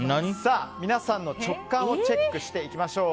皆さんの直感をチェックしていきましょう。